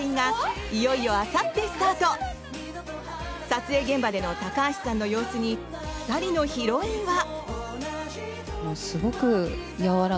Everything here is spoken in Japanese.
撮影現場での高橋さんの様子に２人のヒロインは。